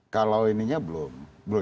kalau ininya belum